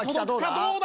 どうだ？